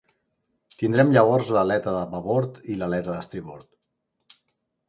Tindrem llavors l'aleta de babord i l'aleta d'estribord.